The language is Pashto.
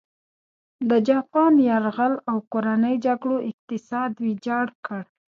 د جاپان یرغل او کورنۍ جګړو اقتصاد ویجاړ کړ.